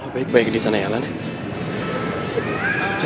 penumpang atas sembilan puluh menari